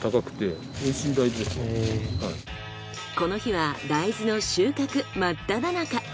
この日は大豆の収穫真っただ中。